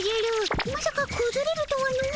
まさかくずれるとはの。